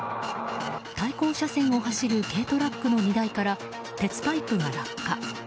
対向車線を走る軽トラックの荷台から鉄パイプが落下。